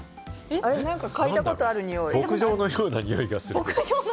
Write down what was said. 牧場のようなにおいがする。